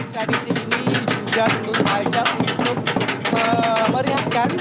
tradisi ini juga tentu saja untuk meriahkan